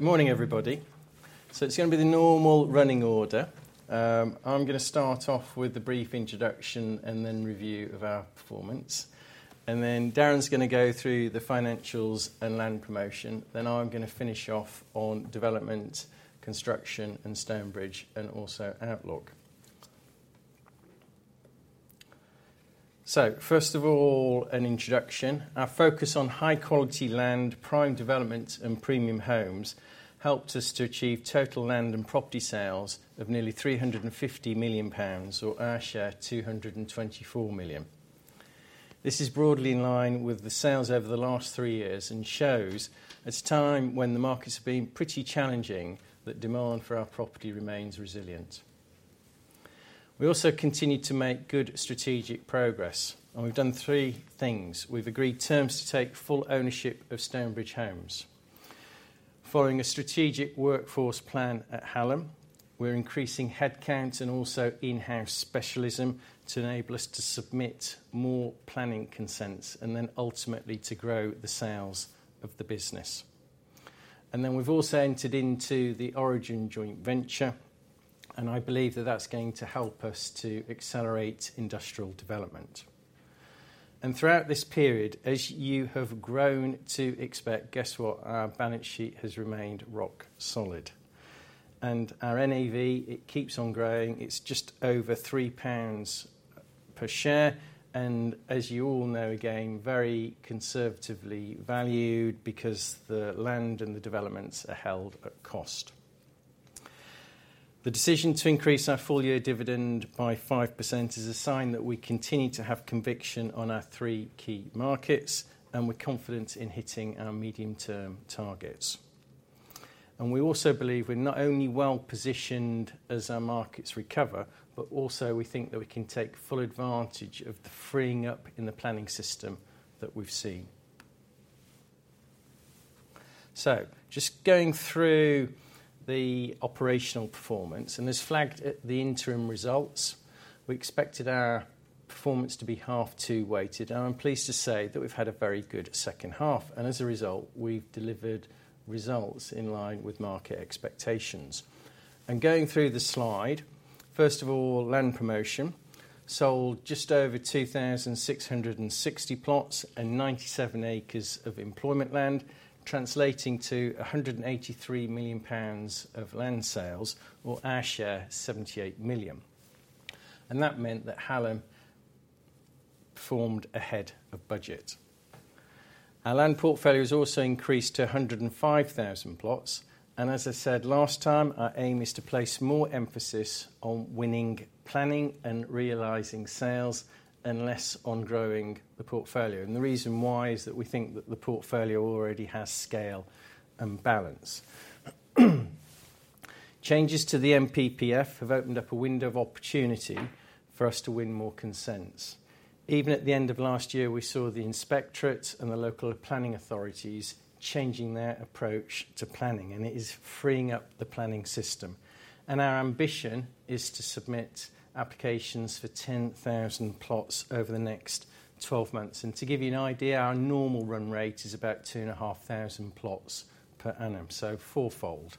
Morning everybody. It's going to be the normal running order. I'm going to start off with a brief introduction and then review of our performance. Then Darren's going to go through the financials and land promotion. I'm going to finish off on development, construction, and Stonebridge, and also outlook. First of all, an introduction. Our focus on high-quality land, prime developments, and premium homes helped us to achieve total land and property sales of nearly 350 million pounds, or our share 224 million. This is broadly in line with the sales over the last three years and shows at a time when the markets have been pretty challenging, that demand for our property remains resilient. We also continue to make good strategic progress. We've done three things. We've agreed terms to take full ownership of Stonebridge Homes. Following a strategic workforce plan at Hallam, we're increasing headcount and also in-house specialism to enable us to submit more planning consents, and then ultimately to grow the sales of the business. We have also entered into the Origin Joint Venture, and I believe that that's going to help us to accelerate industrial development. Throughout this period, as you have grown to expect, guess what? Our balance sheet has remained rock solid. Our NAV, it keeps on growing. It's just over 3 pounds per share. As you all know, again, very conservatively valued because the land and the developments are held at cost. The decision to increase our full-year dividend by 5% is a sign that we continue to have conviction on our three key markets, and we're confident in hitting our medium-term targets. We also believe we are not only well positioned as our markets recover, but we think that we can take full advantage of the freeing up in the planning system that we have seen. Just going through the operational performance, as flagged at the interim results, we expected our performance to be half-two-weighted. I am pleased to say that we have had a very good second half. As a result, we have delivered results in line with market expectations. Going through the slide, first of all, land promotion sold just over 2,660 plots and 97 acres of employment land, translating to 183 million pounds of land sales, or our share 78 million. That meant that Hallam performed ahead of budget. Our land portfolio has also increased to 105,000 plots. As I said last time, our aim is to place more emphasis on winning planning and realizing sales and less on growing the portfolio. The reason why is that we think that the portfolio already has scale and balance. Changes to the NPPF have opened up a window of opportunity for us to win more consents. Even at the end of last year, we saw the Inspectorate and the local planning authorities changing their approach to planning, and it is freeing up the planning system. Our ambition is to submit applications for 10,000 plots over the next 12 months. To give you an idea, our normal run rate is about 2,500 plots per annum, so four-fold.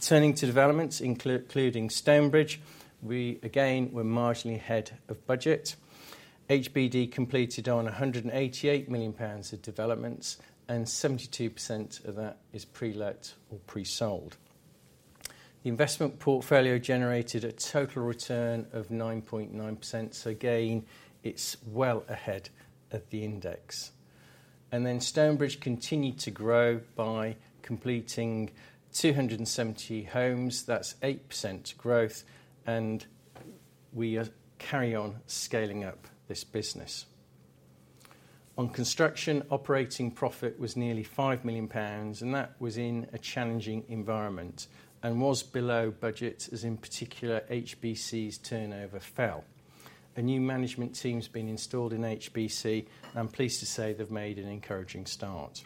Turning to developments, including Stonebridge, we again were marginally ahead of budget. HBD completed on 188 million pounds of developments, and 72% of that is pre-let or pre-sold. The investment portfolio generated a total return of 9.9%. It is well ahead of the index. Stonebridge continued to grow by completing 270 homes. That is 8% growth, and we carry on scaling up this business. On construction, operating profit was nearly 5 million pounds, and that was in a challenging environment and was below budget, as in particular, HBC's turnover fell. A new management team has been installed in HBC, and I am pleased to say they have made an encouraging start.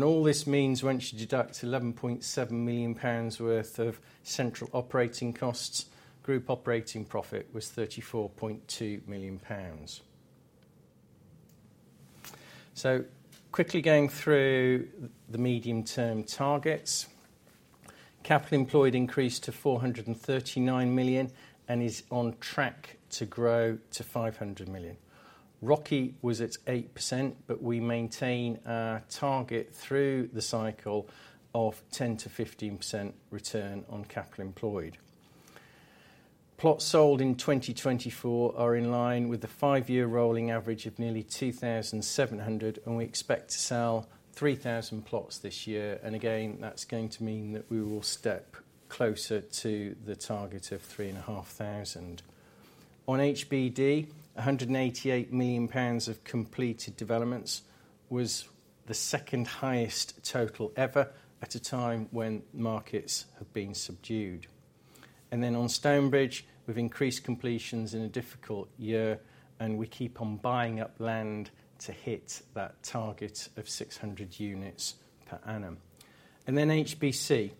All this means once you deduct GBP 11.7 million worth of central operating costs, group operating profit was GBP 34.2 million. Quickly going through the medium-term targets, capital employed increased to 439 million and is on track to grow to 500 million. ROCE was at 8%, but we maintain our target through the cycle of 10%-15% return on capital employed. Plots sold in 2024 are in line with the five-year rolling average of nearly 2,700, and we expect to sell 3,000 plots this year. That is going to mean that we will step closer to the target of 3,500. On HBD, 188 million pounds of completed developments was the second highest total ever at a time when markets have been subdued. On Stonebridge, we have increased completions in a difficult year, and we keep on buying up land to hit that target of 600 units per annum. On HBC,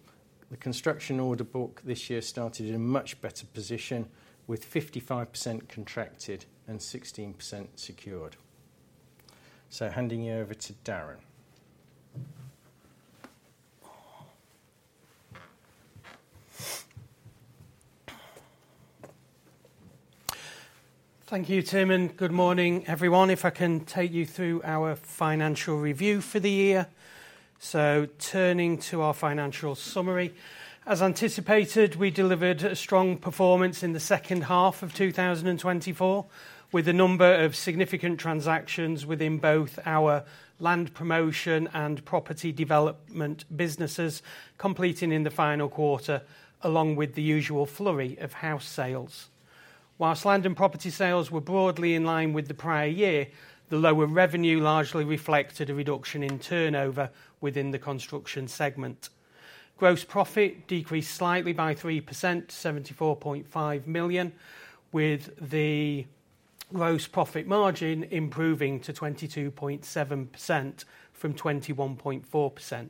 the construction order book this year started in a much better position with 55% contracted and 16% secured. Handing you over to Darren. Thank you, Tim, and good morning, everyone. If I can take you through our financial review for the year. Turning to our financial summary, as anticipated, we delivered a strong performance in the second half of 2024 with a number of significant transactions within both our land promotion and property development businesses completing in the final quarter, along with the usual flurry of house sales. Whilst land and property sales were broadly in line with the prior year, the lower revenue largely reflected a reduction in turnover within the construction segment. Gross profit decreased slightly by 3%, 74.5 million, with the gross profit margin improving to 22.7% from 21.4%.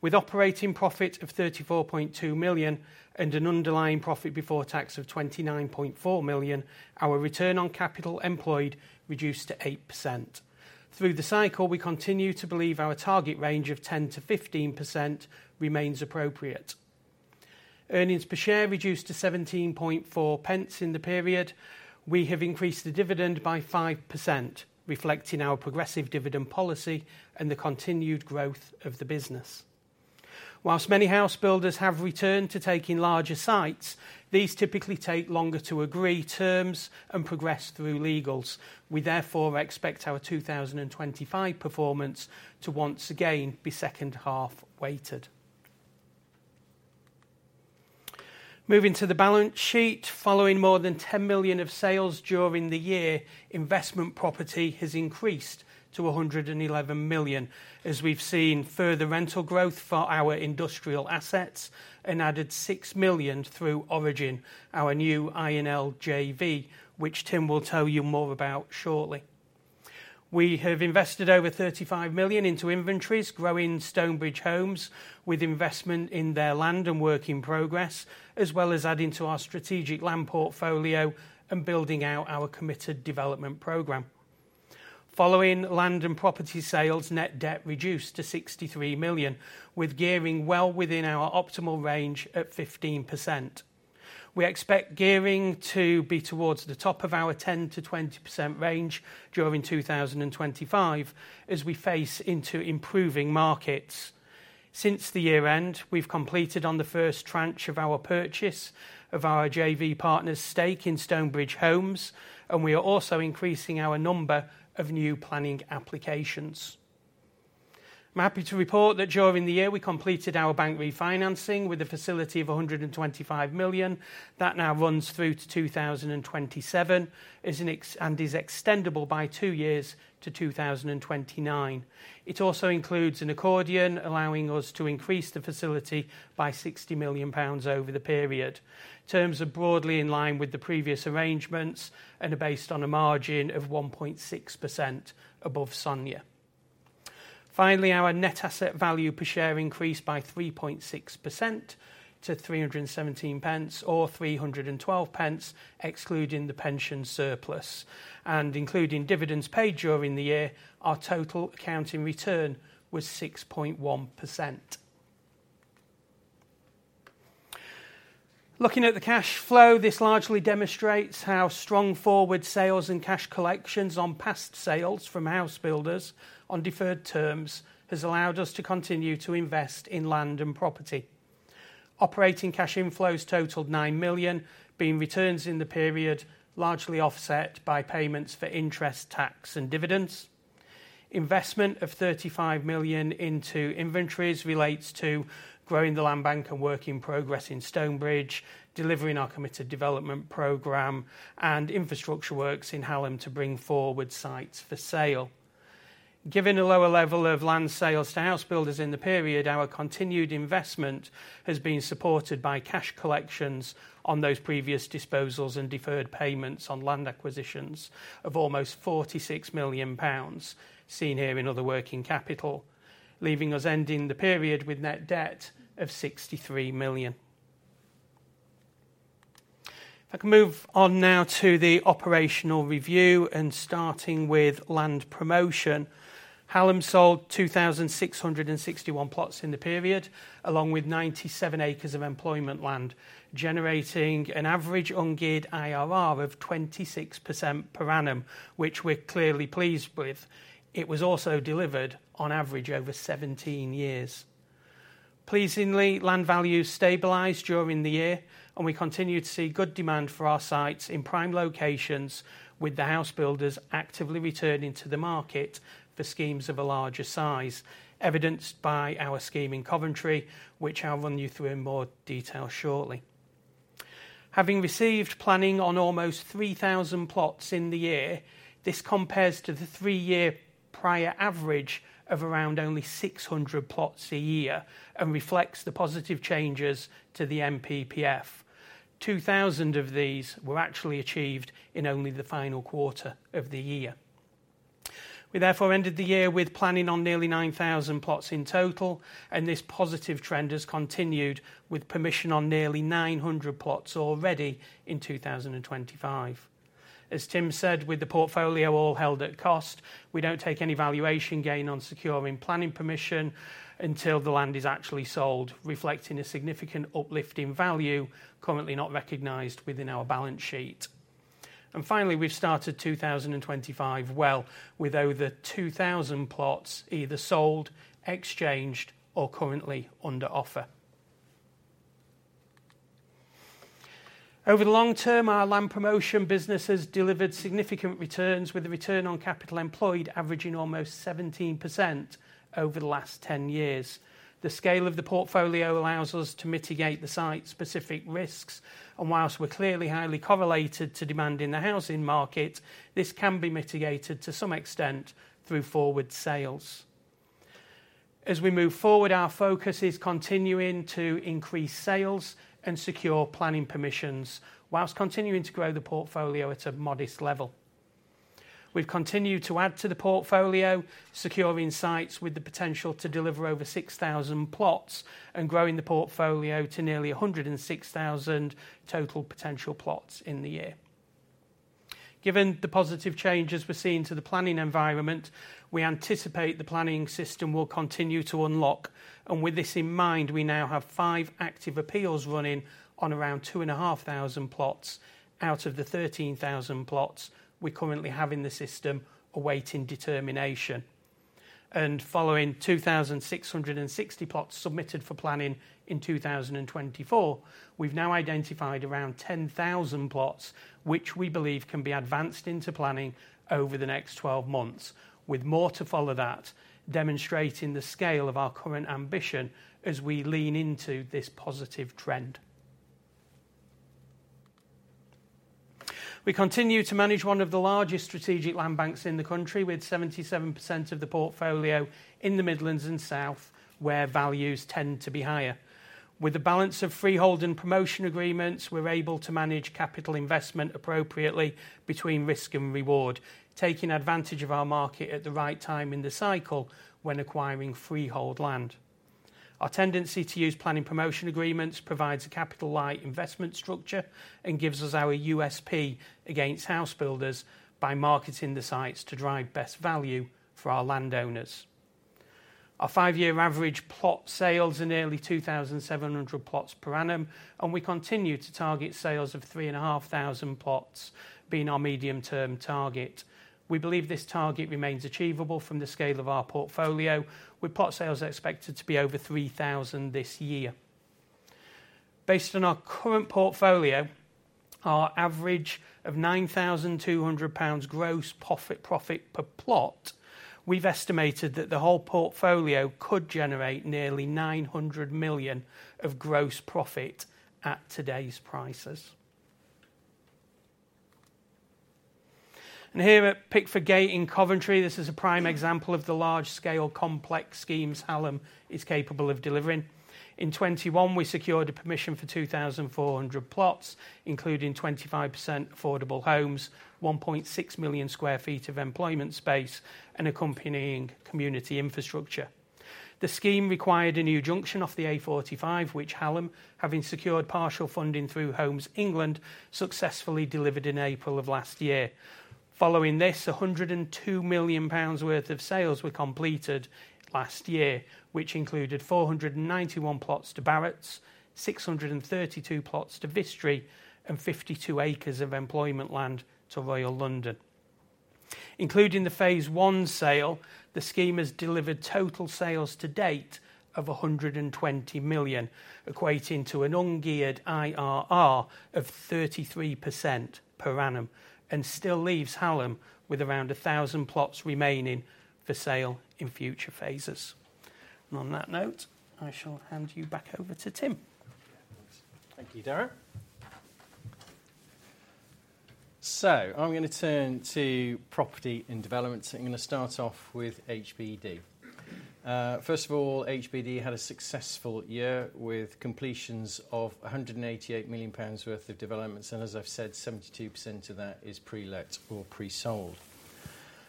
With operating profit of 34.2 million and an underlying profit before tax of 29.4 million, our return on capital employed reduced to 8%. Through the cycle, we continue to believe our target range of 10%-15% remains appropriate. Earnings per share reduced to 0.174 in the period. We have increased the dividend by 5%, reflecting our progressive dividend policy and the continued growth of the business. Whilst many housebuilders have returned to taking larger sites, these typically take longer to agree terms and progress through legals. We therefore expect our 2025 performance to once again be second half-weighted. Moving to the balance sheet, following more than 10 million of sales during the year, investment property has increased to 111 million, as we have seen further rental growth for our industrial assets and added 6 million through Origin, our new I&L JV, which Tim will tell you more about shortly. We have invested over 35 million into inventories, growing Stonebridge Homes with investment in their land and work in progress, as well as adding to our strategic land portfolio and building out our committed development program. Following land and property sales, net debt reduced to 63 million, with gearing well within our optimal range at 15%. We expect gearing to be towards the top of our 10%-20% range during 2025 as we face into improving markets. Since the year-end, we've completed on the first tranche of our purchase of our JV partner's stake in Stonebridge Homes, and we are also increasing our number of new planning applications. I'm happy to report that during the year, we completed our bank refinancing with a facility of 125 million. That now runs through to 2027 and is extendable by two years to 2029. It also includes an accordion allowing us to increase the facility by 60 million pounds over the period. Terms are broadly in line with the previous arrangements and are based on a margin of 1.6% above SONIA. Finally, our net asset value per share increased by 3.6% to 3.17 or 3.12, excluding the pension surplus. Including dividends paid during the year, our total accounting return was 6.1%. Looking at the cash flow, this largely demonstrates how strong forward sales and cash collections on past sales from housebuilders on deferred terms have allowed us to continue to invest in land and property. Operating cash inflows totaled 9 million, being returns in the period largely offset by payments for interest, tax, and dividends. Investment of 35 million into inventories relates to growing the land bank and work in progress in Stonebridge, delivering our committed development program, and infrastructure works in Hallam to bring forward sites for sale. Given a lower level of land sales to housebuilders in the period, our continued investment has been supported by cash collections on those previous disposals and deferred payments on land acquisitions of almost 46 million pounds, seen here in other working capital, leaving us ending the period with net debt of 63 million. If I can move on now to the operational review and starting with land promotion. Hallam sold 2,661 plots in the period, along with 97 acres of employment land, generating an average ungeared IRR of 26% per annum, which we are clearly pleased with. It was also delivered on average over 17 years. Pleasingly, land values stabilized during the year, and we continue to see good demand for our sites in prime locations, with the house builders actively returning to the market for schemes of a larger size, evidenced by our scheme in Coventry, which I'll run you through in more detail shortly. Having received planning on almost 3,000 plots in the year, this compares to the three-year prior average of around only 600 plots a year and reflects the positive changes to the NPPF. 2,000 of these were actually achieved in only the final quarter of the year. We therefore ended the year with planning on nearly 9,000 plots in total, and this positive trend has continued with permission on nearly 900 plots already in 2025. As Tim said, with the portfolio all held at cost, we do not take any valuation gain on securing planning permission until the land is actually sold, reflecting a significant uplift in value currently not recognized within our balance sheet. Finally, we have started 2025 well with over 2,000 plots either sold, exchanged, or currently under offer. Over the long term, our land promotion business has delivered significant returns with a return on capital employed averaging almost 17% over the last 10 years. The scale of the portfolio allows us to mitigate the site-specific risks, and whilst we are clearly highly correlated to demand in the housing market, this can be mitigated to some extent through forward sales. As we move forward, our focus is continuing to increase sales and secure planning permissions whilst continuing to grow the portfolio at a modest level. We've continued to add to the portfolio, securing sites with the potential to deliver over 6,000 plots and growing the portfolio to nearly 106,000 total potential plots in the year. Given the positive changes we're seeing to the planning environment, we anticipate the planning system will continue to unlock. With this in mind, we now have five active appeals running on around 2,500 plots out of the 13,000 plots we currently have in the system awaiting determination. Following 2,660 plots submitted for planning in 2024, we've now identified around 10,000 plots, which we believe can be advanced into planning over the next 12 months, with more to follow that, demonstrating the scale of our current ambition as we lean into this positive trend. We continue to manage one of the largest strategic land banks in the country, with 77% of the portfolio in the Midlands and South, where values tend to be higher. With the balance of freehold and promotion agreements, we're able to manage capital investment appropriately between risk and reward, taking advantage of our market at the right time in the cycle when acquiring freehold land. Our tendency to use planning promotion agreements provides a capital-light investment structure and gives us our USP against housebuilders by marketing the sites to drive best value for our landowners. Our five-year average plot sales are nearly 2,700 plots per annum, and we continue to target sales of 3,500 plots, being our medium-term target. We believe this target remains achievable from the scale of our portfolio, with plot sales expected to be over 3,000 this year. Based on our current portfolio, our average of 9,200 pounds gross profit per plot, we've estimated that the whole portfolio could generate nearly 900 million of gross profit at today's prices. Here at Pickford Gate in Coventry, this is a prime example of the large-scale complex schemes Hallam is capable of delivering. In 2021, we secured a permission for 2,400 plots, including 25% affordable homes, 1.6 million sq ft of employment space, and accompanying community infrastructure. The scheme required a new junction off the A45, which Hallam, having secured partial funding through Homes England, successfully delivered in April of last year. Following this, 102 million pounds worth of sales were completed last year, which included 491 plots to Barratt Developments, 632 plots to Vistry Group, and 52 acres of employment land to Royal London Asset Management. Including the phase one sale, the scheme has delivered total sales to date of 120 million, equating to an ungeared IRR of 33% per annum, and still leaves Hallam with around 1,000 plots remaining for sale in future phases. On that note, I shall hand you back over to Tim. Thank you, Darren. I am going to turn to property and developments. I am going to start off with HBD. First of all, HBD had a successful year with completions of 188 million pounds worth of developments, and as I have said, 72% of that is pre-let or pre-sold.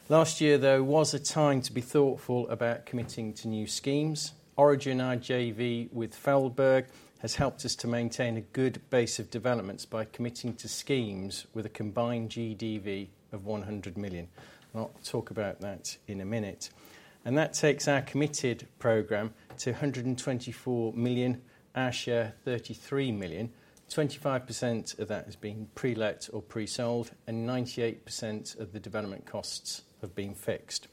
Last year, though, was a time to be thoughtful about committing to new schemes. Origin I&L JV with Feldberg has helped us to maintain a good base of developments by committing to schemes with a combined GDV of 100 million. I will talk about that in a minute. That takes our committed program to 124 million, our share 33 million. 25% of that has been pre-let or pre-sold, and 98% of the development costs have been fixed.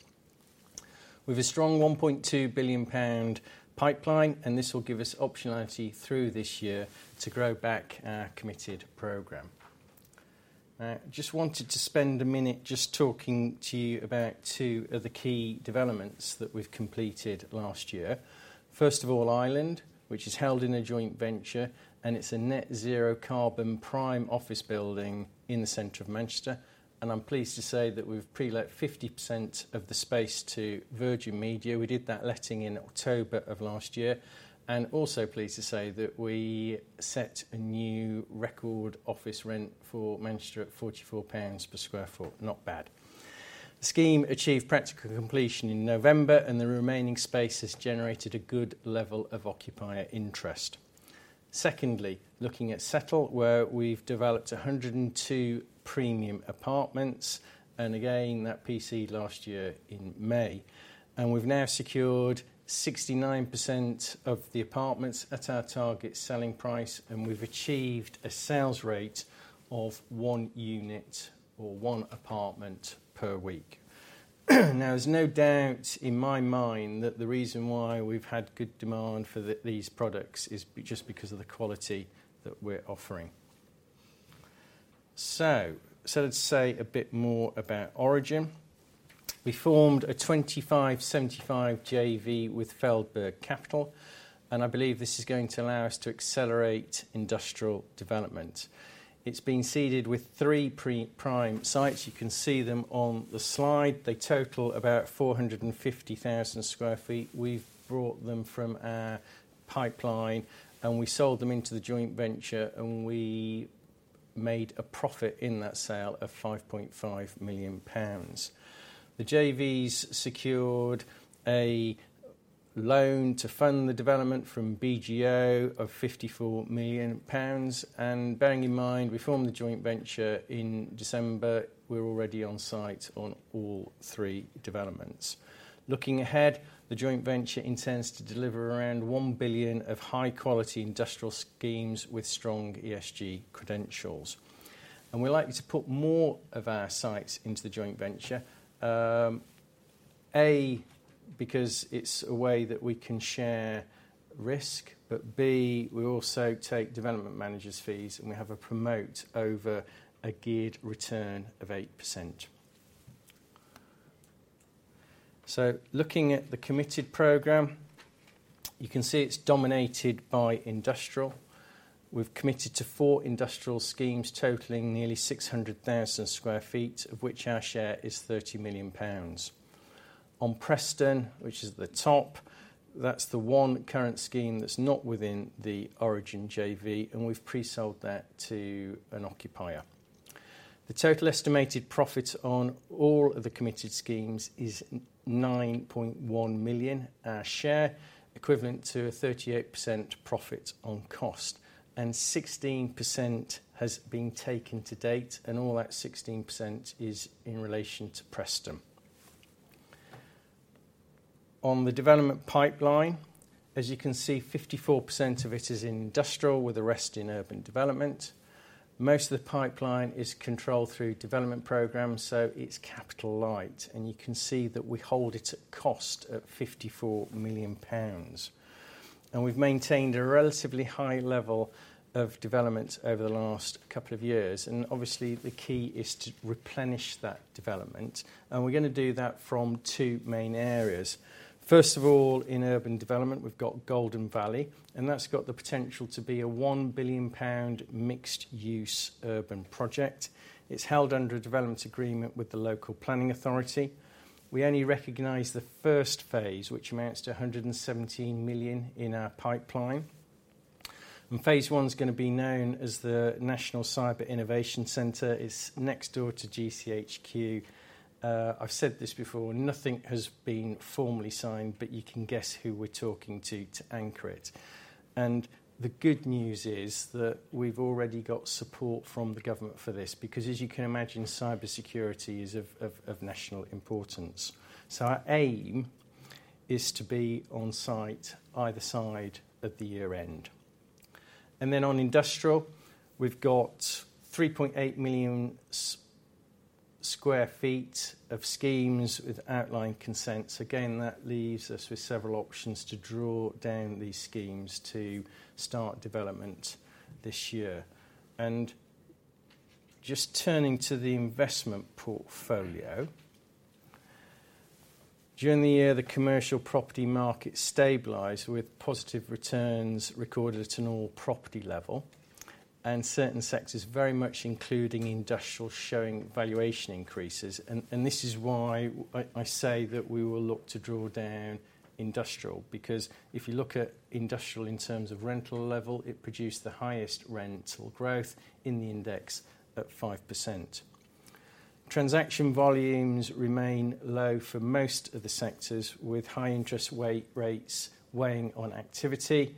We have a strong 1.2 billion pound pipeline, and this will give us optionality through this year to grow back our committed program. I just wanted to spend a minute just talking to you about two of the key developments that we've completed last year. First of all, Island, which is held in a joint venture, and it's a net zero carbon prime office building in the center of Manchester. I'm pleased to say that we've pre-let 50% of the space to Virgin Media. We did that letting in October of last year. I'm also pleased to say that we set a new record office rent for Manchester at 0.44 pounds per sq ft. Not bad. The scheme achieved practical completion in November, and the remaining space has generated a good level of occupier interest. Secondly, looking at Setl, where we've developed 102 premium apartments, and again, that PC last year in May. We have now secured 69% of the apartments at our target selling price, and we have achieved a sales rate of one unit or one apartment per week. There is no doubt in my mind that the reason why we have had good demand for these products is just because of the quality that we are offering. Let us say a bit more about Origin. We formed a 25-75 JV with Feldberg Capital, and I believe this is going to allow us to accelerate industrial development. It has been seeded with three prime sites. You can see them on the slide. They total about 450,000 sq ft. We have brought them from our pipeline, and we sold them into the joint venture, and we made a profit in that sale of 5.5 million pounds. The JV has secured a loan to fund the development from BGO of 54 million pounds. Bearing in mind we formed the joint venture in December, we're already on site on all three developments. Looking ahead, the joint venture intends to deliver around 1 billion of high-quality industrial schemes with strong ESG credentials. We're likely to put more of our sites into the joint venture, A, because it's a way that we can share risk, but B, we also take development managers' fees, and we have a promote over a geared return of 8%. Looking at the committed program, you can see it's dominated by industrial. We've committed to four industrial schemes totaling nearly 600,000 sq ft, of which our share is 30 million pounds. On Preston, which is the top, that's the one current scheme that's not within the Origin JV, and we've pre-sold that to an occupier. The total estimated profit on all of the committed schemes is 9.1 million, our share, equivalent to a 38% profit on cost. 16% has been taken to date, and all that 16% is in relation to Preston. On the development pipeline, as you can see, 54% of it is industrial, with the rest in urban development. Most of the pipeline is controlled through development programs, so it is capital light. You can see that we hold it at cost at 54 million pounds. We have maintained a relatively high level of development over the last couple of years. Obviously, the key is to replenish that development. We are going to do that from two main areas. First of all, in urban development, we have Golden Valley, and that has the potential to be a 1 billion pound mixed-use urban project. It's held under a development agreement with the local planning authority. We only recognize the first phase, which amounts to 117 million in our pipeline. Phase one is going to be known as the National Cyber Innovation Centre. It's next door to GCHQ. I've said this before, nothing has been formally signed, but you can guess who we're talking to to anchor it. The good news is that we've already got support from the government for this, because as you can imagine, cybersecurity is of national importance. Our aim is to be on site either side of the year-end. On industrial, we've got 3.8 million sq ft of schemes with outline consents. Again, that leaves us with several options to draw down these schemes to start development this year. Turning to the investment portfolio, during the year, the commercial property market stabilized with positive returns recorded at an all-property level, and certain sectors, very much including industrial, showing valuation increases. This is why I say that we will look to draw down industrial, because if you look at industrial in terms of rental level, it produced the highest rental growth in the index at 5%. Transaction volumes remain low for most of the sectors, with high-interest rates weighing on activity.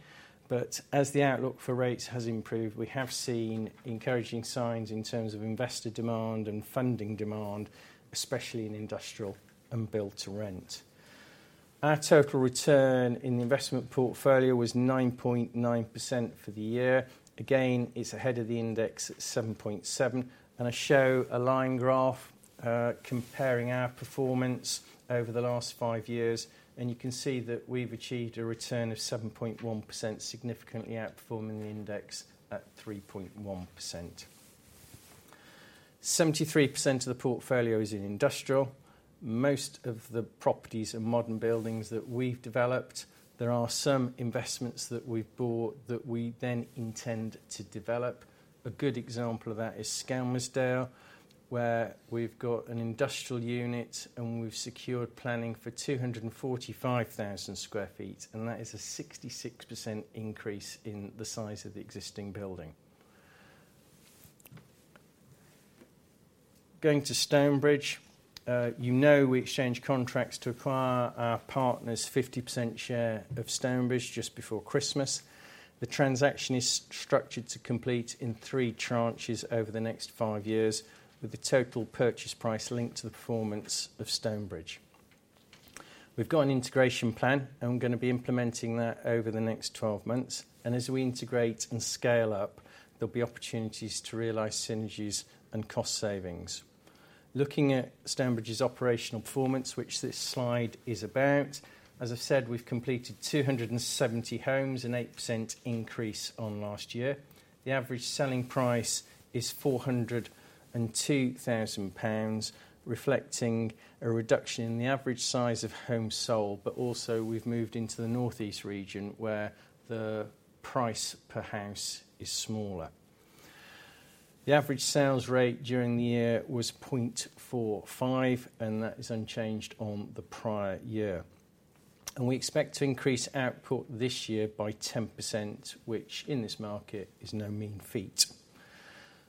As the outlook for rates has improved, we have seen encouraging signs in terms of investor demand and funding demand, especially in industrial and Build-to-Rent. Our total return in the investment portfolio was 9.9% for the year. Again, it is ahead of the index at 7.7%. I show a line graph comparing our performance over the last five years, and you can see that we've achieved a return of 7.1%, significantly outperforming the index at 3.1%. 73% of the portfolio is in industrial. Most of the properties are modern buildings that we've developed. There are some investments that we've bought that we then intend to develop. A good example of that is Skelmersdale, where we've got an industrial unit, and we've secured planning for 245,000 sq ft, and that is a 66% increase in the size of the existing building. Going to Stonebridge, you know we exchanged contracts to acquire our partner's 50% share of Stonebridge just before Christmas. The transaction is structured to complete in three tranches over the next five years, with the total purchase price linked to the performance of Stonebridge. We've got an integration plan, and we're going to be implementing that over the next 12 months. As we integrate and scale up, there'll be opportunities to realize synergies and cost savings. Looking at Stonebridge's operational performance, which this slide is about, as I've said, we've completed 270 homes, an 8% increase on last year. The average selling price is 402,000 pounds, reflecting a reduction in the average size of homes sold, but also we've moved into the Northeast region where the price per house is smaller. The average sales rate during the year was 0.45, and that is unchanged on the prior year. We expect to increase output this year by 10%, which in this market is no mean feat.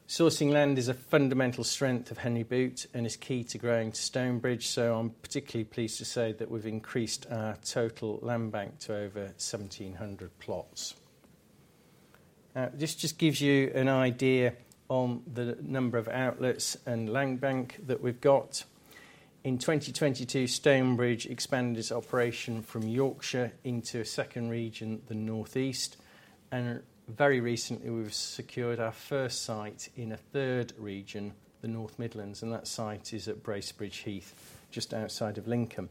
Sourcing land is a fundamental strength of Henry Boot and is key to growing Stonebridge, so I'm particularly pleased to say that we've increased our total land bank to over 1,700 plots. This just gives you an idea of the number of outlets and land bank that we've got. In 2022, Stonebridge expanded its operation from Yorkshire into a second region, the northeast. Very recently, we've secured our first site in a third region, the North Midlands, and that site is at Bracebridge Heath, just outside of Lincoln.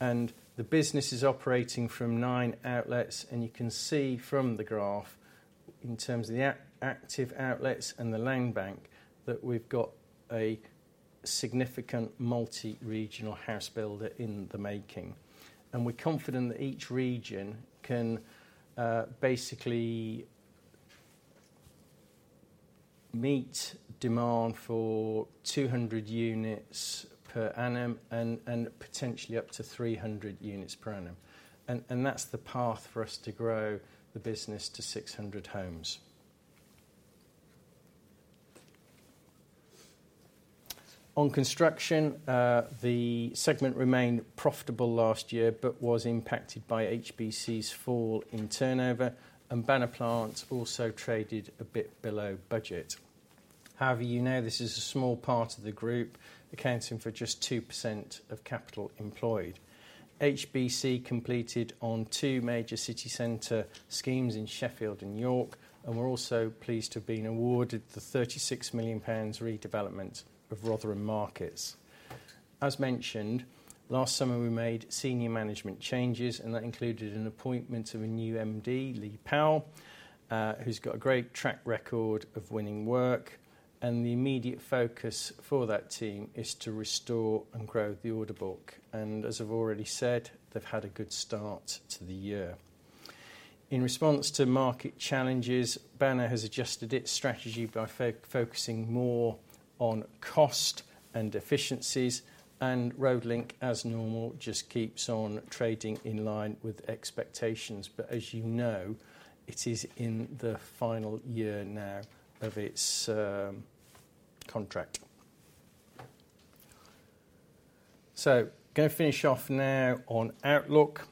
The business is operating from nine outlets, and you can see from the graph, in terms of the active outlets and the land bank, that we've got a significant multi-regional house builder in the making. We're confident that each region can basically meet demand for 200 units per annum and potentially up to 300 units per annum. That is the path for us to grow the business to 600 homes. On construction, the segment remained profitable last year but was impacted by HBC's fall in turnover, and Banner Plant also traded a bit below budget. However, you know this is a small part of the group, accounting for just 2% of capital employed. HBC completed on two major city centre schemes in Sheffield and York, and we are also pleased to have been awarded the 36 million pounds redevelopment of Rotherham Markets. As mentioned, last summer we made senior management changes, and that included an appointment of a new MD, Lee Powell, who has got a great track record of winning work. The immediate focus for that team is to restore and grow the order book. As I have already said, they have had a good start to the year. In response to market challenges, Banner has adjusted its strategy by focusing more on cost and efficiencies, and Road Link, as normal, just keeps on trading in line with expectations. As you know, it is in the final year now of its contract. Going to finish off now on outlook.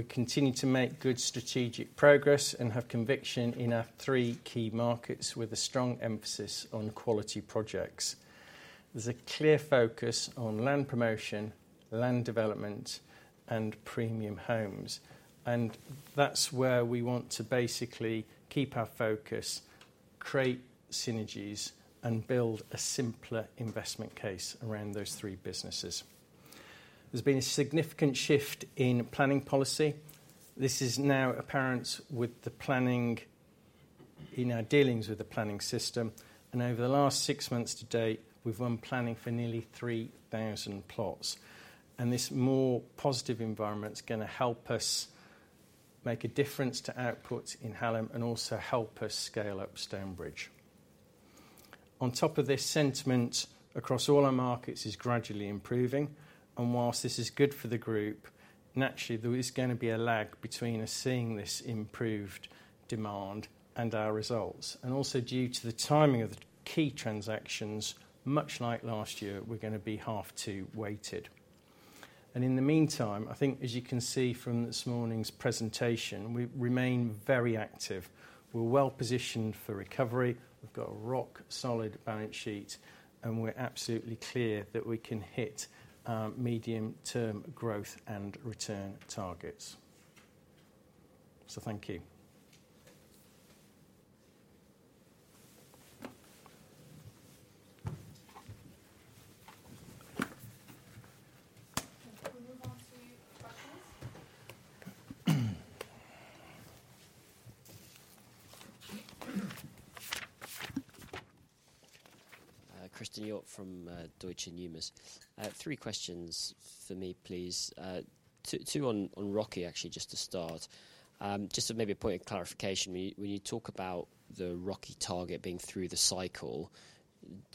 We continue to make good strategic progress and have conviction in our three key markets with a strong emphasis on quality projects. There is a clear focus on land promotion, land development, and premium homes. That is where we want to basically keep our focus, create synergies, and build a simpler investment case around those three businesses. There has been a significant shift in planning policy. This is now apparent with the planning in our dealings with the planning system. Over the last six months to date, we have won planning for nearly 3,000 plots. This more positive environment is going to help us make a difference to output in Hallam and also help us scale up Stonebridge. On top of this, sentiment across all our markets is gradually improving. Whilst this is good for the group, naturally, there is going to be a lag between us seeing this improved demand and our results. Also, due to the timing of the key transactions, much like last year, we are going to be half two weighted. In the meantime, I think, as you can see from this morning's presentation, we remain very active. We are well positioned for recovery. We have got a rock-solid balance sheet, and we are absolutely clear that we can hit medium-term growth and return targets. Thank you. Can we move on to questions? Christen Hjorth from Deutsche Numis. Three questions for me, please. Two on ROCE, actually, just to start. Just maybe a point of clarification. When you talk about the ROCE target being through the cycle,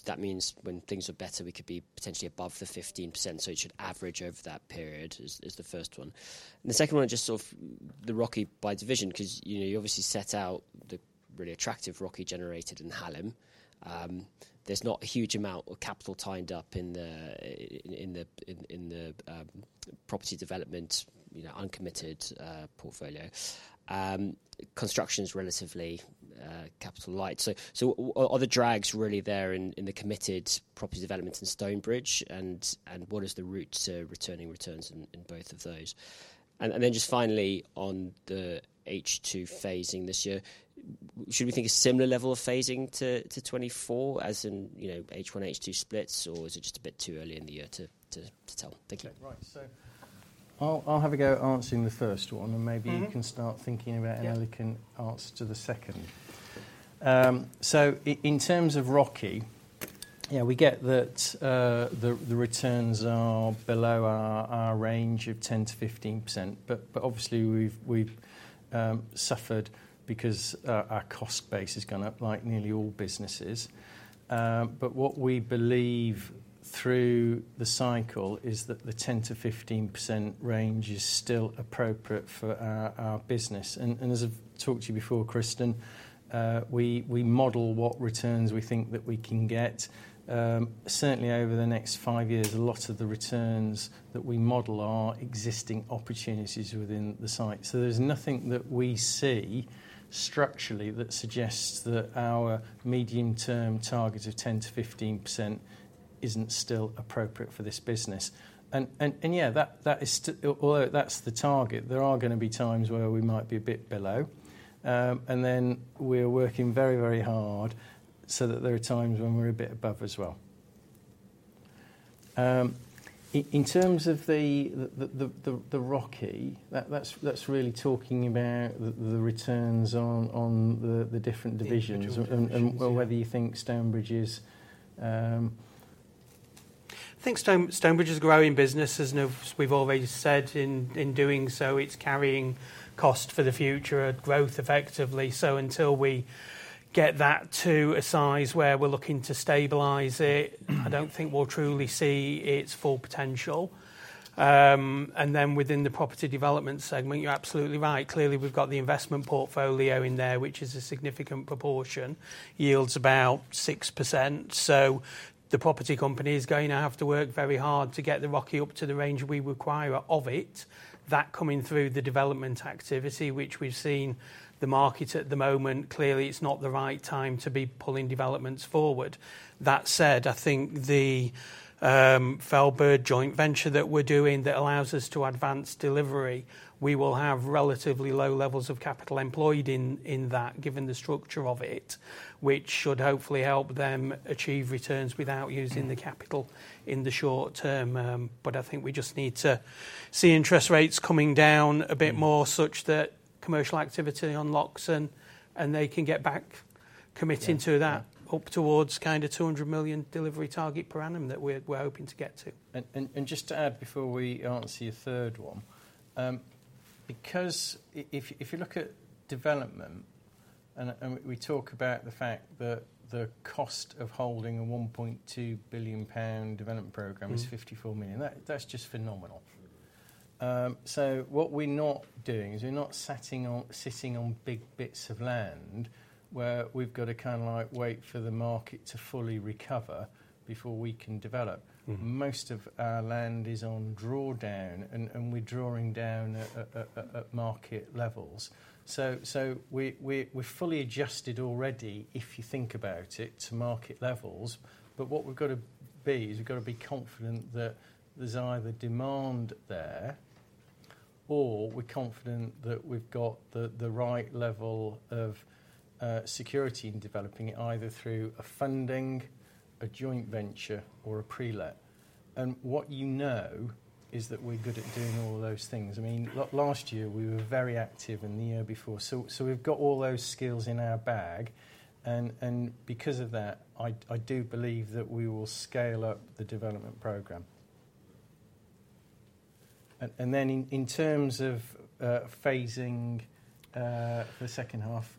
that means when things are better, we could be potentially above the 15%, so it should average over that period, is the first one. The second one is just sort of the ROCE by division, because you obviously set out the really attractive ROCE generated in Hallam. There's not a huge amount of capital tied up in the property development uncommitted portfolio. Construction's relatively capital light. Are the drags really there in the committed property development in Stonebridge? What is the route to returning returns in both of those? Just finally, on the H2 phasing this year, should we think a similar level of phasing to 2024, as in H1, H2 splits, or is it just a bit too early in the year to tell? Thank you. Okay. Right. I'll have a go at answering the first one, and maybe you can start thinking about an elegant answer to the second. In terms of ROCE, yeah, we get that the returns are below our range of 10%-15%. Obviously, we've suffered because our cost base is going up, like nearly all businesses. What we believe through the cycle is that the 10%-15% range is still appropriate for our business. As I've talked to you before, Christen, we model what returns we think that we can get. Certainly, over the next five years, a lot of the returns that we model are existing opportunities within the site. There's nothing that we see structurally that suggests that our medium-term target of 10%-15% isn't still appropriate for this business. Yeah, although that's the target, there are going to be times where we might be a bit below. We are working very, very hard so that there are times when we're a bit above as well. In terms of the ROCE, that's really talking about the returns on the different divisions and whether you think Stonebridge is. I think Stonebridge is a growing business, as we've already said. In doing so, it's carrying cost for the future, a growth effectively. Until we get that to a size where we're looking to stabilize it, I don't think we'll truly see its full potential. Within the property development segment, you're absolutely right. Clearly, we've got the investment portfolio in there, which is a significant proportion. Yields about 6%. The property company is going to have to work very hard to get the ROCE up to the range we require of it. That coming through the development activity, which we've seen the market at the moment, clearly it's not the right time to be pulling developments forward. That said, I think the Feldberg joint venture that we're doing that allows us to advance delivery, we will have relatively low levels of capital employed in that, given the structure of it, which should hopefully help them achieve returns without using the capital in the short term. I think we just need to see interest rates coming down a bit more such that commercial activity unlocks and they can get back committing to that up towards kind of 200 million delivery target per annum that we're hoping to get to. Just to add before we answer your third one, because if you look at development and we talk about the fact that the cost of holding a 1.2 billion pound development program is 54 million, that's just phenomenal. What we're not doing is we're not sitting on big bits of land where we've got to kind of wait for the market to fully recover before we can develop. Most of our land is on drawdown, and we're drawing down at market levels. We're fully adjusted already, if you think about it, to market levels. What we've got to be is we've got to be confident that there's either demand there or we're confident that we've got the right level of security in developing it, either through a funding, a joint venture, or a pre-let. What you know is that we're good at doing all those things. I mean, last year we were very active and the year before. We have all those skills in our bag. Because of that, I do believe that we will scale up the development program. In terms of phasing the second half.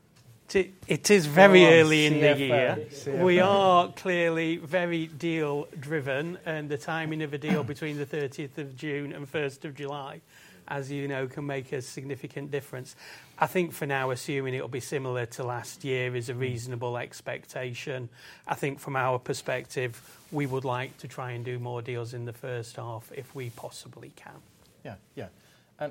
It is very early in the year. We are clearly very deal-driven, and the timing of a deal between the 30th of June and 1st of July, as you know, can make a significant difference. I think for now, assuming it'll be similar to last year, is a reasonable expectation. I think from our perspective, we would like to try and do more deals in the first half if we possibly can. Yeah, yeah.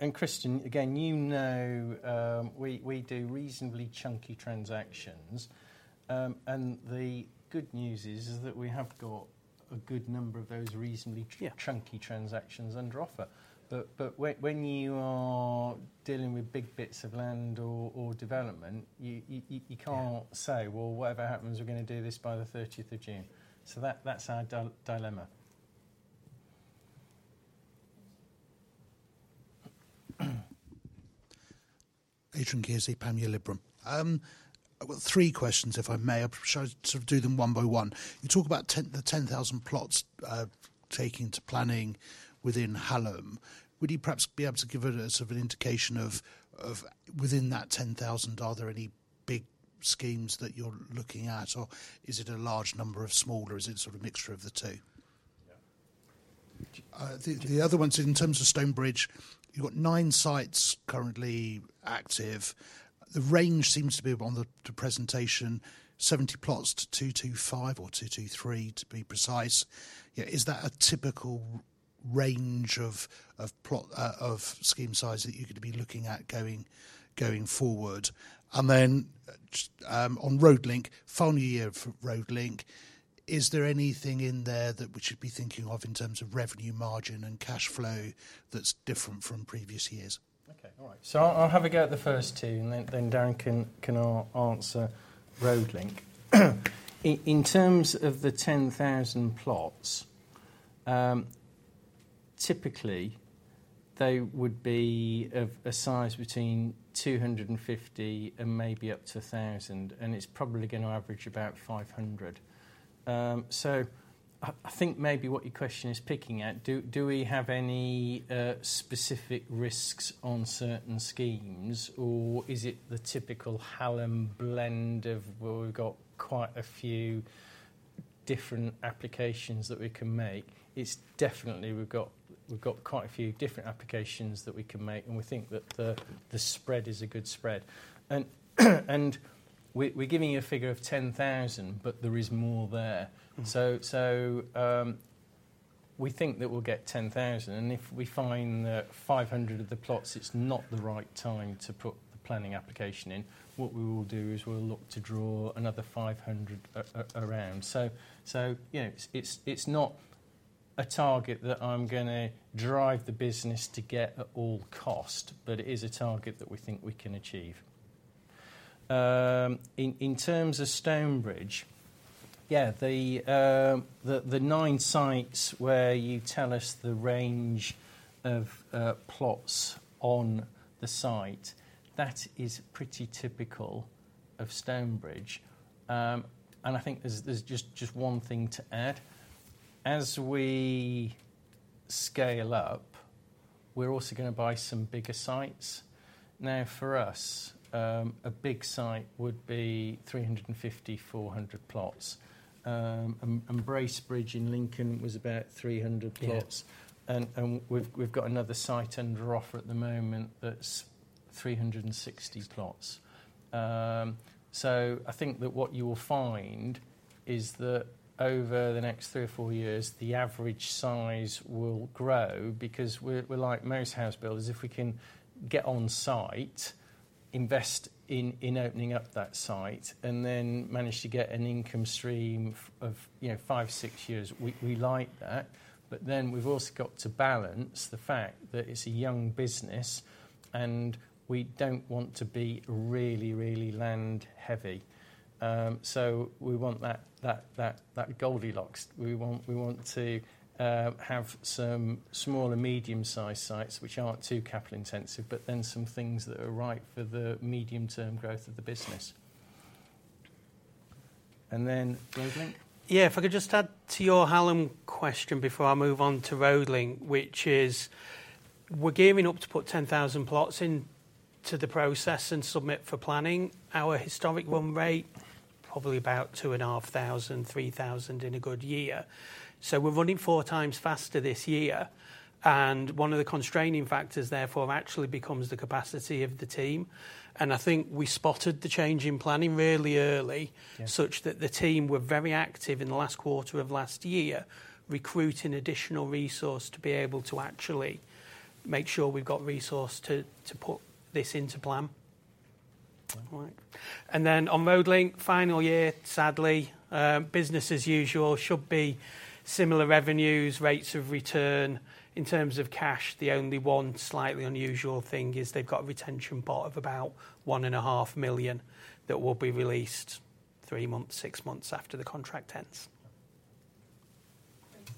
And Christen, again, you know we do reasonably chunky transactions. The good news is that we have got a good number of those reasonably chunky transactions under offer. When you are dealing with big bits of land or development, you can't say, "Well, whatever happens, we're going to do this by the 30th of June." That is our dilemma. Adrian Kearsey, Panmure Liberum. Three questions, if I may. I'll sort of do them one by one. You talk about the 10,000 plots taking to planning within Hallam. Would you perhaps be able to give us an indication of, within that 10,000, are there any big schemes that you're looking at, or is it a large number of small, or is it sort of a mixture of the two? The other ones, in terms of Stonebridge, you've got nine sites currently active. The range seems to be on the presentation, 70 plots to 225 or 223, to be precise. Is that a typical range of scheme size that you could be looking at going forward? On Road Link, final year for Road Link, is there anything in there that we should be thinking of in terms of revenue margin and cash flow that's different from previous years? Okay. All right. I'll have a go at the first two, and then Darren can answer Road Link. In terms of the 10,000 plots, typically they would be a size between 250 and maybe up to 1,000, and it's probably going to average about 500. I think maybe what your question is picking at, do we have any specific risks on certain schemes, or is it the typical Hallam blend of, you know, we've got quite a few different applications that we can make? It's definitely we've got quite a few different applications that we can make, and we think that the spread is a good spread. We're giving you a figure of 10,000, but there is more there. We think that we'll get 10,000. If we find that 500 of the plots, it's not the right time to put the planning application in, what we will do is we'll look to draw another 500 around. It is not a target that I'm going to drive the business to get at all cost, but it is a target that we think we can achieve. In terms of Stonebridge, yeah, the nine sites where you tell us the range of plots on the site, that is pretty typical of Stonebridge. I think there's just one thing to add. As we scale up, we're also going to buy some bigger sites. Now, for us, a big site would be 350-400 plots. Bracebridge in Lincoln was about 300 plots. We've got another site under offer at the moment that's 360 plots. I think that what you will find is that over the next three or four years, the average size will grow because we're like most housebuilders. If we can get on site, invest in opening up that site, and then manage to get an income stream of five, six years, we like that. We have also got to balance the fact that it's a young business, and we do not want to be really, really land heavy. We want that Goldilocks. We want to have some small and medium-sized sites which are not too capital intensive, but then some things that are right for the medium-term growth of the business. Road Link. Yeah, if I could just add to your Hallam question before I move on to Road Link, which is we're gearing up to put 10,000 plots into the process and submit for planning. Our historic run rate is probably about 2,500-3,000 in a good year. We are running four times faster this year. One of the constraining factors therefore actually becomes the capacity of the team. I think we spotted the change in planning really early such that the team were very active in the last quarter of last year recruiting additional resource to be able to actually make sure we've got resource to put this into plan. On Road Link, final year, sadly, business as usual, should be similar revenues, rates of return. In terms of cash, the only one slightly unusual thing is they've got a retention pot of about 1.5 million that will be released three months, six months after the contract ends. Thank you.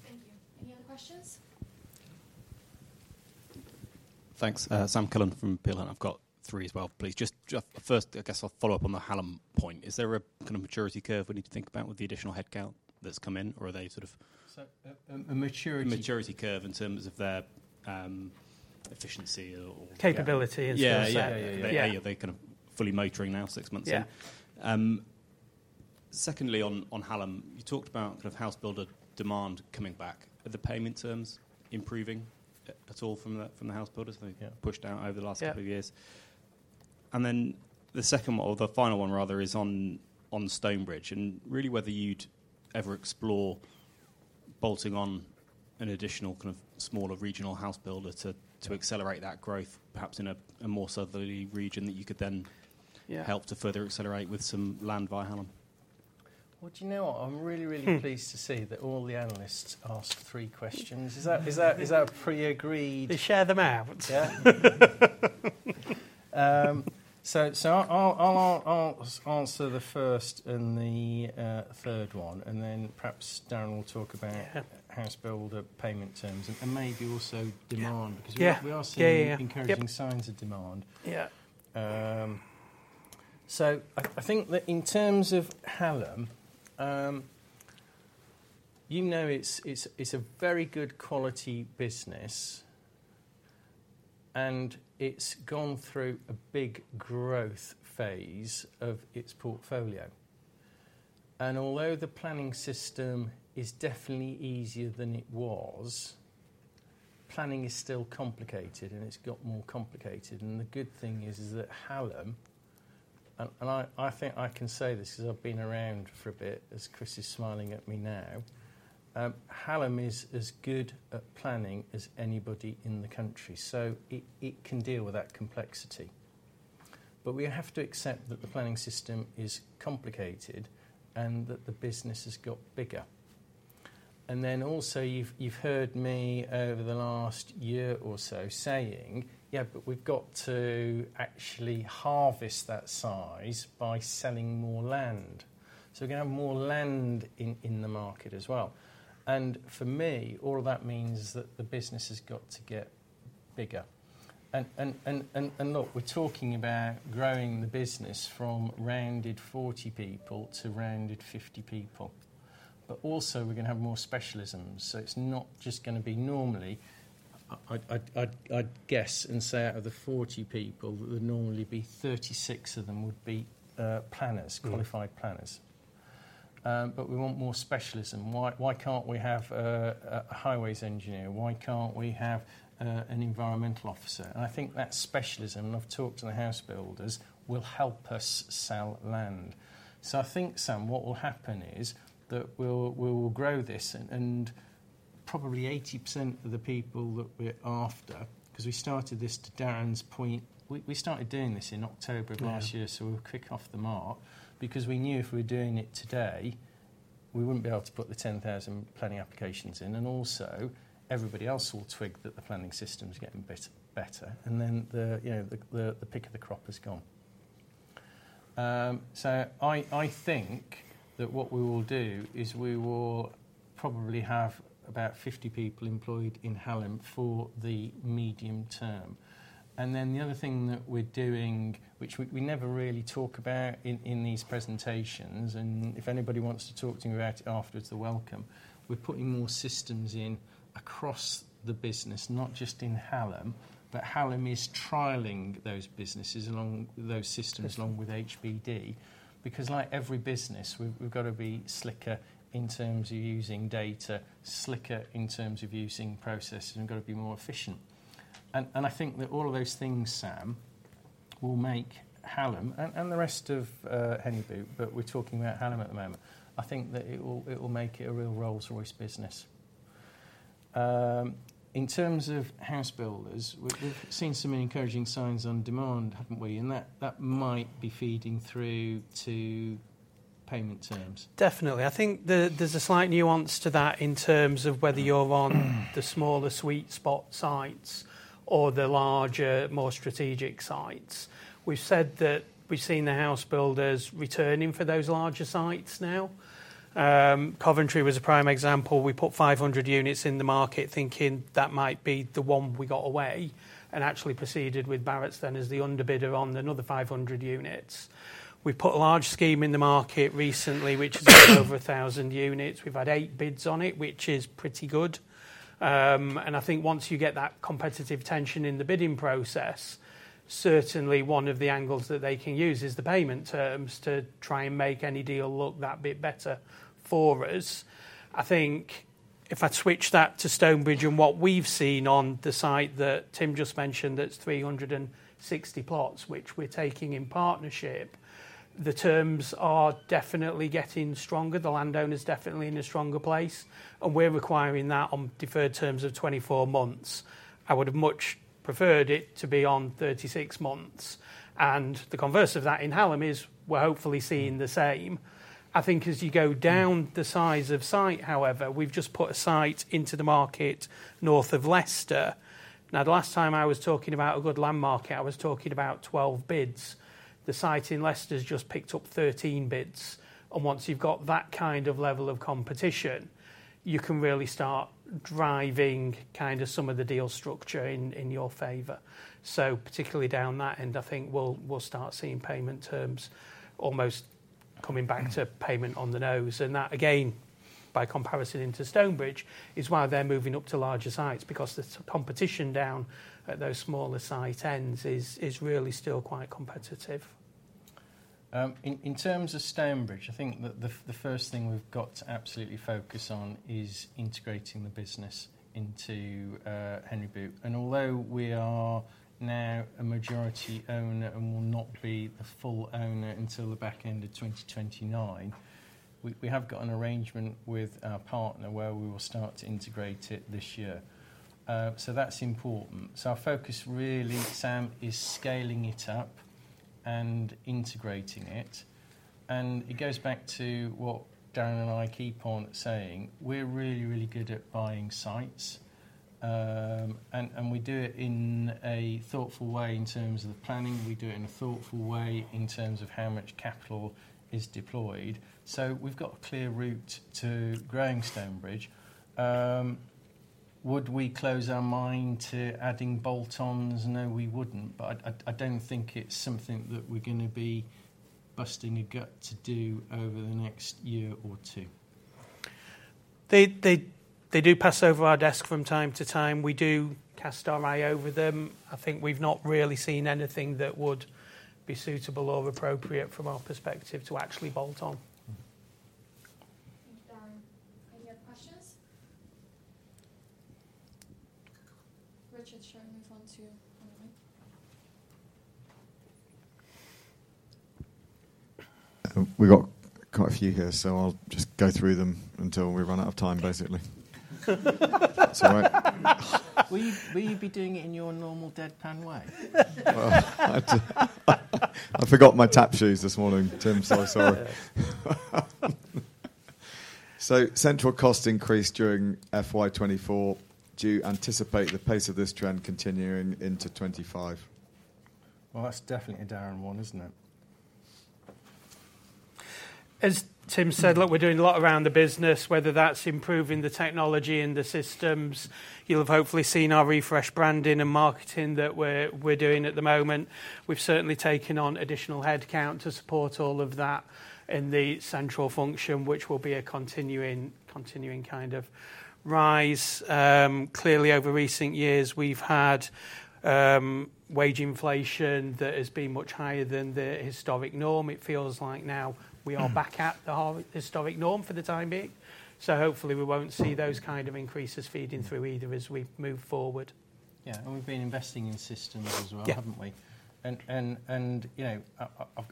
Any other questions? Thanks. Sam Cullen from Peel Hunt. I've got three as well, please. Just first, I guess I'll follow up on the Hallam point. Is there a kind of maturity curve we need to think about with the additional headcount that's come in, or are they sort of. A maturity. Maturity curve in terms of their efficiency or. Capability and skill set. Yeah, yeah, yeah. They're kind of fully motoring now, six months in. Secondly, on Hallam, you talked about kind of house builder demand coming back. Are the payment terms improving at all from the house builders? They've pushed out over the last couple of years. The second one, or the final one rather, is on Stonebridge. Really whether you'd ever explore bolting on an additional kind of smaller regional house builder to accelerate that growth, perhaps in a more southerly region that you could then help to further accelerate with some land via Hallam. Do you know what? I'm really, really pleased to see that all the analysts asked three questions. Is that a pre-agreed? They share them out. Yeah. I'll answer the first and the third one. Perhaps Darren will talk about house builder payment terms and maybe also demand because we are seeing encouraging signs of demand. I think that in terms of Hallam, you know it's a very good quality business, and it's gone through a big growth phase of its portfolio. Although the planning system is definitely easier than it was, planning is still complicated, and it's got more complicated. The good thing is that Hallam—and I think I can say this because I've been around for a bit, as Chris is smiling at me now—Hallam is as good at planning as anybody in the country. It can deal with that complexity. We have to accept that the planning system is complicated and that the business has got bigger. You've heard me over the last year or so saying, "Yeah, but we've got to actually harvest that size by selling more land." We're going to have more land in the market as well. For me, all of that means that the business has got to get bigger. Look, we're talking about growing the business from rounded 40 people to rounded 50 people. We're going to have more specialisms. It's not just going to be normally. I'd guess and say out of the 40 people, there would normally be 36 of them would be planners, qualified planners. We want more specialism. Why can't we have a highways engineer? Why can't we have an environmental officer? I think that specialism, and I've talked to the house builders, will help us sell land. I think, Sam, what will happen is that we'll grow this and probably 80% of the people that we're after, because we started this, to Darren's point, we started doing this in October of last year, we were quick off the mark because we knew if we were doing it today, we wouldn't be able to put the 10,000 planning applications in. Also, everybody else will twig that the planning system's getting better. The pick of the crop is gone. I think that what we will do is we will probably have about 50 people employed in Hallam for the medium term. The other thing that we're doing, which we never really talk about in these presentations, and if anybody wants to talk to me about it afterwards, they're welcome, we're putting more systems in across the business, not just in Hallam, but Hallam is trialing those systems along with HBD because like every business, we've got to be slicker in terms of using data, slicker in terms of using processes, and we've got to be more efficient. I think that all of those things, Sam, will make Hallam and the rest of Henry Boot, but we're talking about Hallam at the moment. I think that it will make it a real Rolls-Royce business. In terms of housebuilders, we've seen some encouraging signs on demand, haven't we? That might be feeding through to payment terms. Definitely. I think there's a slight nuance to that in terms of whether you're on the smaller sweet spot sites or the larger, more strategic sites. We've said that we've seen the housebuilders returning for those larger sites now. Coventry was a prime example. We put 500 units in the market thinking that might be the one we got away and actually proceeded with Barratt's then as the underbidder on another 500 units. We put a large scheme in the market recently, which is over 1,000 units. We've had eight bids on it, which is pretty good. I think once you get that competitive tension in the bidding process, certainly one of the angles that they can use is the payment terms to try and make any deal look that bit better for us. I think if I switch that to Stonebridge and what we've seen on the site that Tim just mentioned, that's 360 plots, which we're taking in partnership, the terms are definitely getting stronger. The landowner's definitely in a stronger place, and we're requiring that on deferred terms of 24 months. I would have much preferred it to be on 36 months. The converse of that in Hallam is we're hopefully seeing the same. I think as you go down the size of site, however, we've just put a site into the market north of Leicester. Now, the last time I was talking about a good land market, I was talking about 12 bids. The site in Leicester's just picked up 13 bids. Once you've got that kind of level of competition, you can really start driving kind of some of the deal structure in your favor. Particularly down that end, I think we'll start seeing payment terms almost coming back to payment on the nose. That, again, by comparison into Stonebridge, is why they're moving up to larger sites because the competition down at those smaller site ends is really still quite competitive. In terms of Stonebridge, I think the first thing we've got to absolutely focus on is integrating the business into Henry Boot. Although we are now a majority owner and will not be the full owner until the back end of 2029, we have got an arrangement with our partner where we will start to integrate it this year. That is important. Our focus really, Sam, is scaling it up and integrating it. It goes back to what Darren and I keep on saying. We're really, really good at buying sites, and we do it in a thoughtful way in terms of the planning. We do it in a thoughtful way in terms of how much capital is deployed. We have got a clear route to growing Stonebridge. Would we close our mind to adding bolt-ons? No, we would not. I don't think it's something that we're going to be busting a gut to do over the next year or two. They do pass over our desk from time to time. We do cast our eye over them. I think we've not really seen anything that would be suitable or appropriate from our perspective to actually bolt on. Any other questions? Richard, shall we move on to another one? We've got quite a few here, so I'll just go through them until we run out of time, basically. Will you be doing it in your normal deadpan way? I forgot my tap shoes this morning, Tim, so sorry. Central cost increase during FY 2024. Do you anticipate the pace of this trend continuing into 2025? That's definitely a Darren one, isn't it? As Tim said, look, we're doing a lot around the business, whether that's improving the technology and the systems. You'll have hopefully seen our refresh branding and marketing that we're doing at the moment. We've certainly taken on additional headcount to support all of that in the central function, which will be a continuing kind of rise. Clearly, over recent years, we've had wage inflation that has been much higher than the historic norm. It feels like now we are back at the historic norm for the time being. Hopefully we won't see those kind of increases feeding through either as we move forward. Yeah, we have been investing in systems as well, have we not? I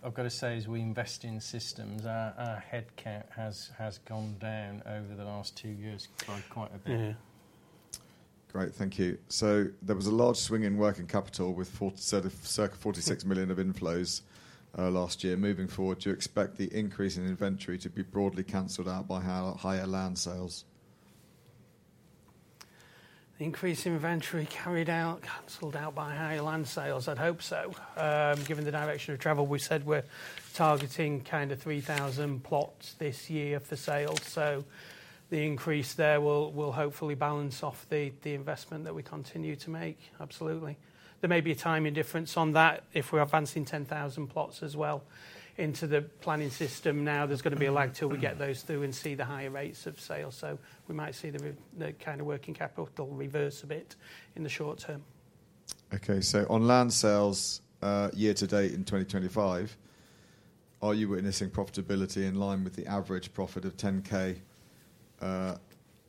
have got to say, as we invest in systems, our headcount has gone down over the last two years by quite a bit. Great, thank you. There was a large swing in working capital with a circa 46 million of inflows last year. Moving forward, do you expect the increase in inventory to be broadly cancelled out by higher land sales? Increase in inventory carried out, cancelled out by higher land sales, I'd hope so. Given the direction of travel, we said we're targeting kind of 3,000 plots this year for sale. The increase there will hopefully balance off the investment that we continue to make. Absolutely. There may be a time difference on that if we're advancing 10,000 plots as well into the planning system. Now there's going to be a lag till we get those through and see the higher rates of sale. We might see the kind of working capital reverse a bit in the short term. Okay, on land sales year to date in 2025, are you witnessing profitability in line with the average profit of 10,000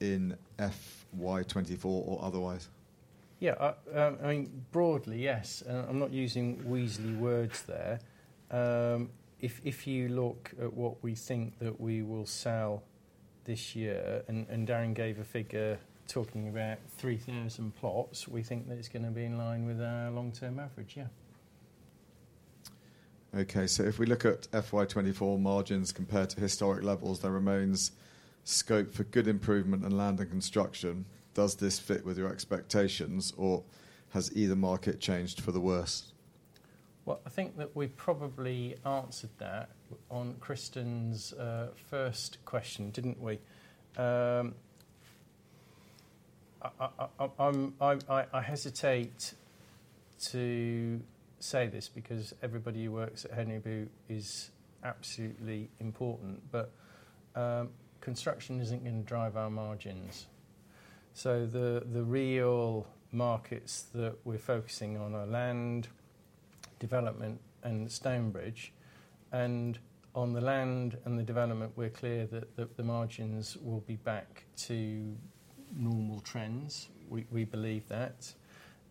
in FY2024 or otherwise? Yeah, I mean, broadly, yes. I'm not using weasely words there. If you look at what we think that we will sell this year, and Darren gave a figure talking about 3,000 plots, we think that it's going to be in line with our long-term average, yeah. Okay, so if we look at FY24 margins compared to historic levels, there remains scope for good improvement in land and construction. Does this fit with your expectations, or has either market changed for the worse? I think that we probably answered that on Christen's first question, didn't we? I hesitate to say this because everybody who works at Henry Boot is absolutely important, but construction isn't going to drive our margins. The real markets that we're focusing on are land, development, and Stonebridge. On the land and the development, we're clear that the margins will be back to normal trends. We believe that.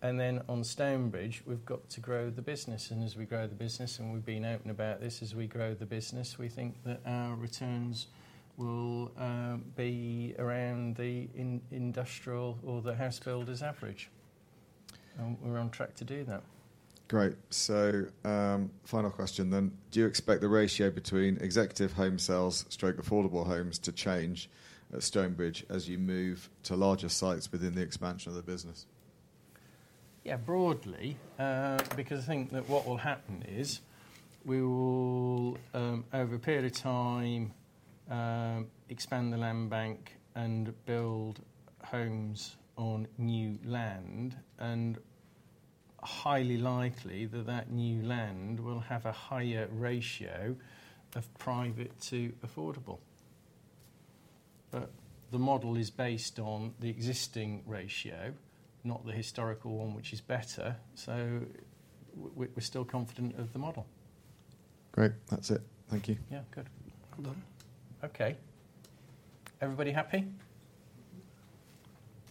On Stonebridge, we've got to grow the business. As we grow the business, and we've been out and about this, as we grow the business, we think that our returns will be around the industrial or the house builders' average. We're on track to do that. Great. Final question then. Do you expect the ratio between executive home sales/affordable homes to change at Stonebridge as you move to larger sites within the expansion of the business? Yeah, broadly, because I think that what will happen is we will, over a period of time, expand the land bank and build homes on new land. It is highly likely that that new land will have a higher ratio of private to affordable. The model is based on the existing ratio, not the historical one, which is better. We are still confident of the model. Great. That's it. Thank you. Yeah, good. Okay. Everybody happy?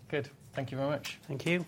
Good. Thank you very much. Thank you.